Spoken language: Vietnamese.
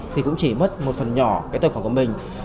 thì cũng chỉ mất một phần nhỏ cái tài khoản của mình